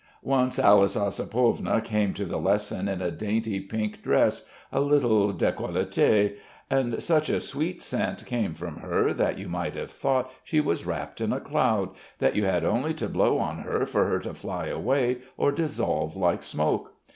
Once Alice Ossipovna came to the lesson in a dainty pink dress, a little décolleté, and such a sweet scent came from her that you might have thought she was wrapped in a cloud, that you had only to blow on her for her to fly away or dissolve like smoke.